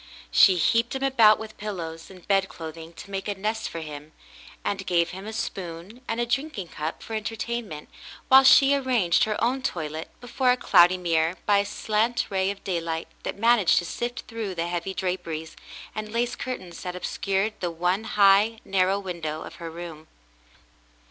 She heaped him about with pillows and bedclothing to make a nest for him, and gave him a spoon and a drinking cup for entertainment, while she arranged her own toilet before a cloudy mirror by a slant ray of daylight that managed to sift through the heavy draperies and lace curtains that obscured the one high, narrow window of her room.